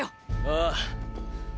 ああ！！